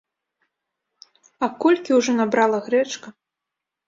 А колькі ўжо набрала грэчка!